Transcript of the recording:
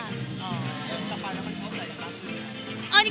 อ๋อสักพันแล้วมันเข้าใจกันปรับจูนไง